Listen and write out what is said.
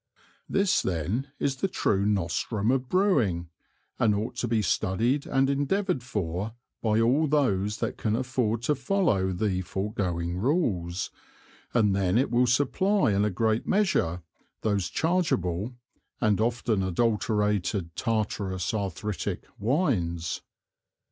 This then is the true Nostrum of Brewing, and ought to be studied and endeavoured for by all those that can afford to follow the foregoing Rules, and then it will supply in a great measure those chargeable (and often adulterated tartarous arthritick) Wines.